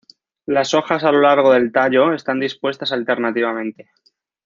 Las hojas a lo largo del tallo están dispuestas alternativamente.